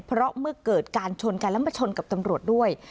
เพราะเมื่อเกิดการชนกันแล้วมาชนกับตำรวจด้วย